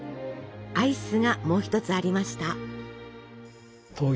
アイスがもう一つありました。